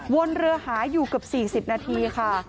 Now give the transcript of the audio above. วนเรือหาอยู่เกือบ๔๐นาทีค่ะ